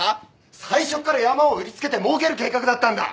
最初から山を売りつけてもうける計画だったんだ！